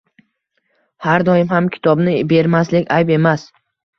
Har doim ham kitobni bermaslik ayb emas.